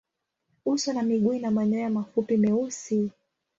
Uso na miguu ina manyoya mafupi meusi.